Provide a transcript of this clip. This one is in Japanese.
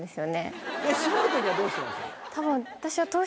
多分私は。